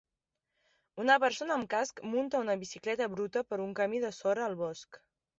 Una persona amb casc munta una bicicleta bruta per un camí de sorra al bosc.